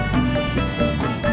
bang kopinya nanti aja ya